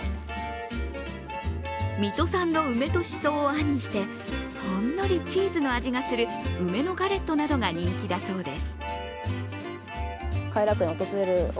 水戸産の梅としそをあんにしてほんのりチーズの味がする梅のガレットなどが人気だそうです。